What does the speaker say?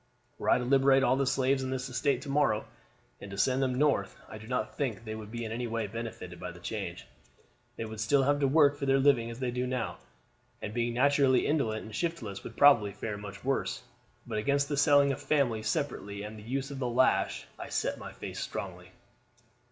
Were I to liberate all the slaves on this estate to morrow and to send them North, I do not think that they would be in any way benefited by the change. They would still have to work for their living as they do now, and being naturally indolent and shiftless would probably fare much worse. But against the selling of families separately and the use of the lash I set my face strongly.